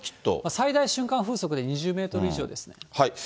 最大瞬間風速で２０メートル以上ですね。